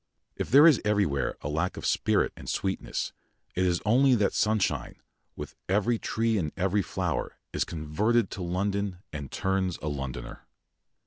If there is everywhere a lack of spirit and sweetness, it is only that sunshine, with every tree and every flower, is converted to London and turns a Londoner.